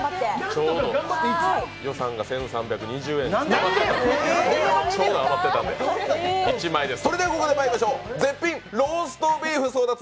ちょうど予算が１３２０円ちょうど余ってたんで、１枚です。